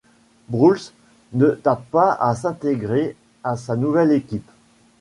Brüls ne tarde pas à s'intégrer à sa nouvelle équipe.